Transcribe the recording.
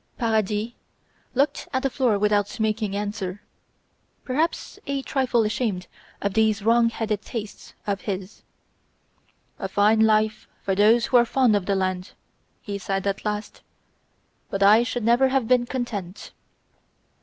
Paradis, looked at the floor without making answer, perhaps a trifle ashamed of these wrong headed tastes of his. "A fine life for those who are fond of the land," he said at last, "but I should never have been content."